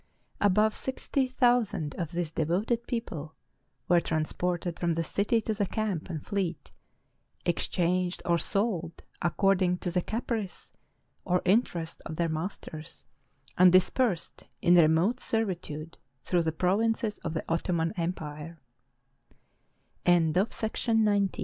Above sixty thousand of this devoted people were transported from the city to the camp and fleet; exchanged or sold accord ing to the caprice or interest of their masters, and dis persed in remote servitude through the provinces